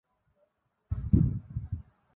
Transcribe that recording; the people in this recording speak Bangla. কি ব্যাপার, চুপ করে আছেন?